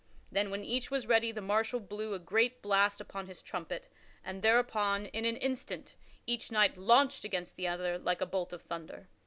Then, when each was ready, the marshal blew a great blast upon his trumpet, and thereupon, in an instant, each knight launched against the other like a bolt of thunder.